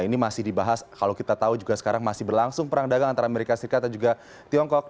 ini masih dibahas kalau kita tahu juga sekarang masih berlangsung perang dagang antara amerika serikat dan juga tiongkok